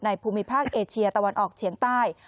ภูมิภาคเอเชียตะวันออกเฉียงใต้